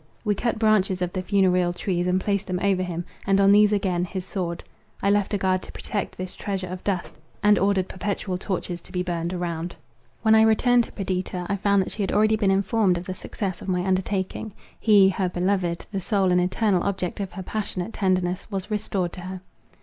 We cut branches of the funereal trees and placed them over him, and on these again his sword. I left a guard to protect this treasure of dust; and ordered perpetual torches to be burned around. When I returned to Perdita, I found that she had already been informed of the success of my undertaking. He, her beloved, the sole and eternal object of her passionate tenderness, was restored her.